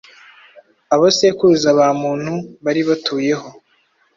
abasekuruza ba muntu bari batuyeho,